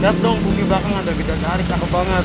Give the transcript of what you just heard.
lihat dong bumi belakang anda gila menarik kakek banget